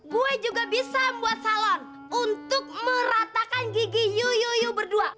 gue juga bisa buat salon untuk meratakan gigi yu yu yu berdua